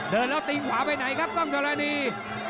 เดินแล้วตีนขวาไปไหนครับกล้องธรณี